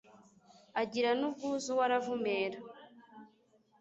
Agira nubwuzu we aravumera